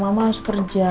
mama harus kerja